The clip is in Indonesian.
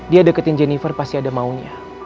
dia deketin jennifer pasti ada maunya